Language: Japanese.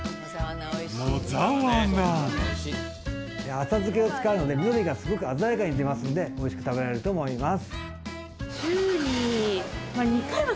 浅漬けを使うので緑がすごく鮮やかに出ますので美味しく食べられると思います。